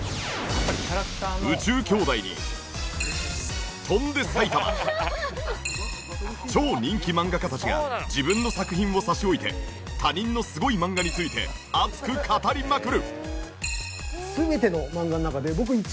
『宇宙兄弟』に『翔んで埼玉』。超人気漫画家たちが自分の作品を差し置いて他人のすごい漫画について熱く語りまくる！